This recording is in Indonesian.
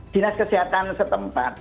dinas kesehatan setempat